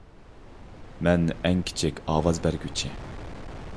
مەن ئەڭ كىچىك ئاۋاز بەرگۈچى